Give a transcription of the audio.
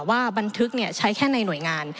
ว่าบันทึกใช้แค่ในหน่วยงาน